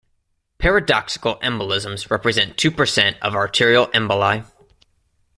Paradoxical embolisms represent two percent of arterial emboli.